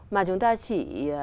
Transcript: mà chúng ta chỉ